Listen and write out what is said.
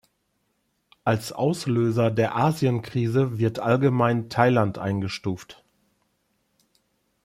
Als Auslöser der Asien-Krise wird allgemein Thailand eingestuft.